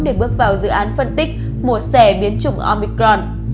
để bước vào dự án phân tích mùa xẻ biến chủng omicron